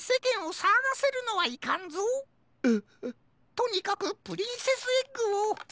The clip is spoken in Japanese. とにかくプリンセスエッグを。